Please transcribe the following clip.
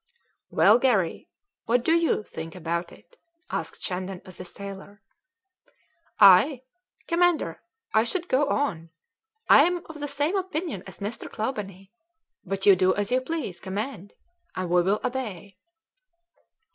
"Well, Garry, what do you think about it?" asked Shandon of the sailor. "I? Commander, I should go on; I'm of the same opinion as Mr. Clawbonny; but you do as you please; command, and we will obey."